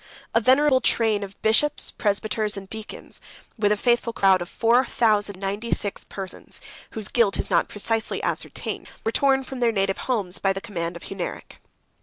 A venerable train of bishops, presbyters, and deacons, with a faithful crowd of four thousand and ninety six persons, whose guilt is not precisely ascertained, were torn from their native homes, by the command of Hunneric.